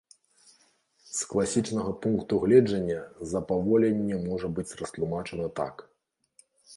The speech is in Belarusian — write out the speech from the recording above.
З класічнага пункту гледжання запаволенне можа быць растлумачана так.